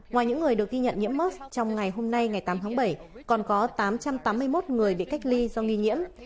ngoài những người được ghi nhận nhiễm mỡ trong ngày hôm nay ngày tám tháng bảy còn có tám trăm tám mươi một người bị cách ly do nghi nhiễm